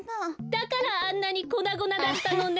だからあんなにこなごなだったのね。